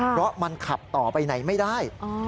เพราะมันขับต่อไปไหนไม่ได้